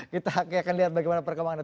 kita akan lihat bagaimana perkembangannya